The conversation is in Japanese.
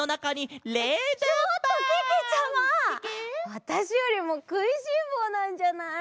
わたしよりもくいしんぼうなんじゃない？